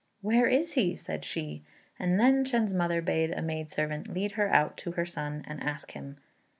"Where is he?" said she; and then Chên's mother bade a maid servant lead her out to her son and ask him.